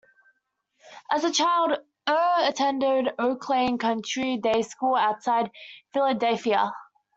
As a child, Uhr attended Oak Lane Country Day School outside Philadelphia.